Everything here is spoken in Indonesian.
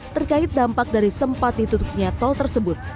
terkait dampak dari sempat ditutupnya tol tersebut